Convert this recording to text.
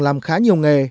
làm khá nhiều nghề